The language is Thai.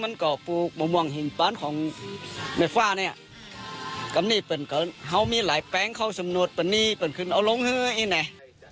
อันนี้เป็นการเผามีหลายแป้งเข้าสำนวนตัวนี้เป็นคืนเอาลงให้ไหน